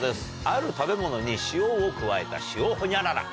ある食べ物に塩を加えた塩ホニャララ。